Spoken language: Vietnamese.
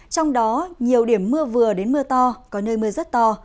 trong đó nhiều điểm mưa vừa đến mưa to có nơi mưa rất to